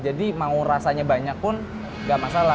kalau rasanya banyak pun enggak masalah